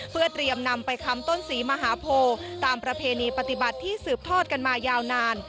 เพื่อเตรียมนำไปคำต้นศรีมหาโพตามประเพณีปฏิบัติที่สืบทอดกันมายาวนาน